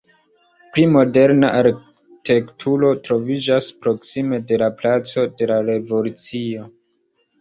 Pli moderna arkitekturo troviĝas proksime de la Placo de la Revolucio.